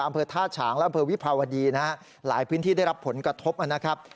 อำเภอท่าฉางและอำเภอวิภาวดีนะฮะหลายพื้นที่ได้รับผลกระทบนะครับ